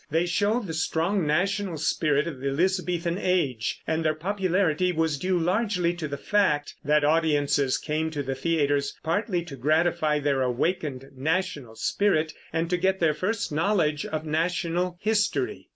They show the strong national spirit of the Elizabethan Age, and their popularity was due largely to the fact that audiences came to the theaters partly to gratify their awakened national spirit and to get their first knowledge of national history.